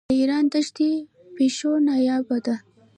د ایران دښتي پیشو نایابه ده.